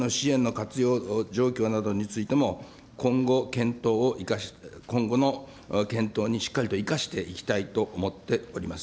先ほどの企業への支援の活用状況などについても、今後、検討を生かし今後の検討にしっかり生かしていきたいと思っております。